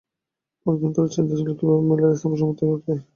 অনেক দিন ধরেই চিন্তা ছিল কীভাবে মেলার স্থান সম্প্রসারিত করা যায়।